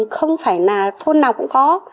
không phải là thôn nào cũng có